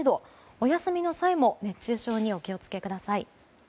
お休みの際も熱中症にお気をつけください。